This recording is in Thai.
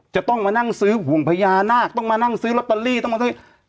จะต้องมานั่งซื้อห่วงพญานาคต้องมานั่งซื้อลอตเตอรี่ต้องมาซื้อ